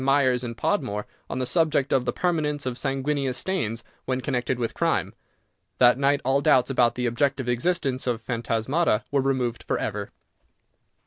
Myers and Podmore on the subject of the Permanence of Sanguineous Stains when connected with Crime. That night all doubts about the objective existence of phantasmata were removed for ever.